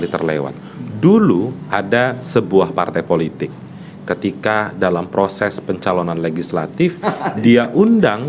terlewat dulu ada sebuah partai politik ketika dalam proses pencalonan legislatif dia undang